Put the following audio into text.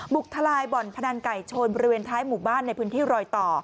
ทลายบ่อนพนันไก่ชนบริเวณท้ายหมู่บ้านในพื้นที่รอยต่อ